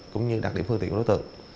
cũng như đặc điểm phương tiện đối tượng